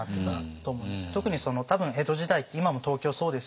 特に多分江戸時代って今も東京そうです